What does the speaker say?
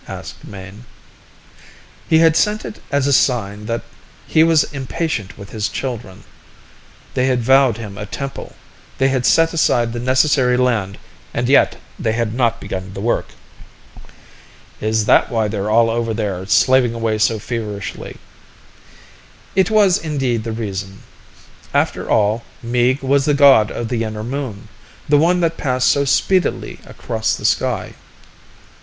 asked Mayne. He had sent it as a sign that he was impatient with his children. They had vowed him a temple, they had set aside the necessary land, and yet they had not begun the work. "Is that why they're all over there, slaving away so feverishly?" It was indeed the reason. After all, Meeg was the god of the inner moon, the one that passed so speedily across the sky.